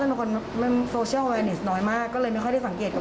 แสนกว่าลึกก็ไม่ได้ขับเร็วมาก